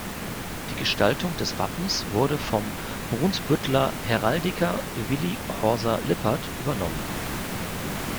Die Gestaltung des Wappens wurde vom Brunsbütteler Heraldiker Willy „Horsa“ Lippert übernommen.